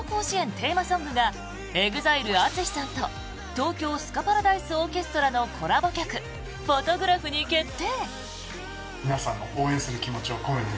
テーマソングがＥＸＩＬＥＡＴＳＵＳＨＩさんと東京スカパラダイスオーケストラのコラボ曲「フォトグラフ」に決定！